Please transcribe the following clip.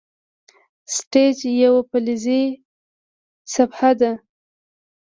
سټیج یوه فلزي صفحه ده.